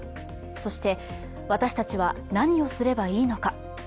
そして私たちは何をすればいいのか。